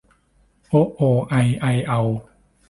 โอะ โอ ไอ ใอ เอา